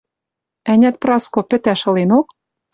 Ӓнят, Праско пӹтӓ шыленок?